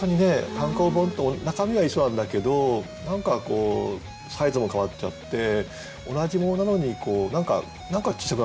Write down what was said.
単行本と中身は一緒なんだけど何かサイズも変わっちゃって同じ物なのに何かちっちゃくなっちゃったっていうね